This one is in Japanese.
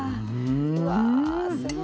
うわすごいな。